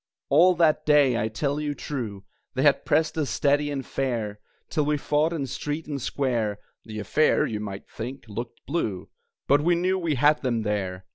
All that day, I tell you true, They had pressed us steady and fair, Till we fought in street and square (The affair, you might think, looked blue), But we knew we had them there!